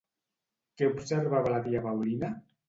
Què observava la tia Paulina?